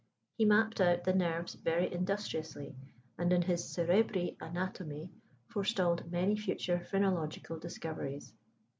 He mapped out the nerves very industriously, and in his Cerebri Anatome forestalled many future phrenological discoveries.